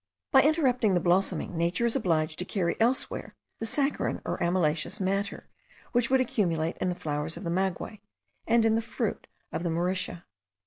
By interrupting the blossoming, nature is obliged to carry elsewhere the saccharine or amylaceous matter, which would accumulate in the flowers of the maguey and in the fruit of the Mauritia.